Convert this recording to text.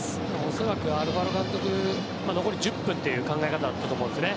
恐らく、アルファロ監督残り１０分という考え方だったと思うんですよね。